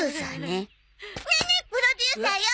ネネプロデューサーよ！